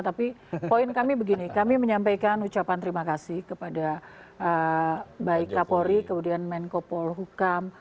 tapi poin kami begini kami menyampaikan ucapan terima kasih kepada baik kapolri kemudian menko polhukam